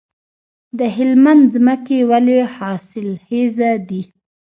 د هلمند ځمکې ولې حاصلخیزه دي؟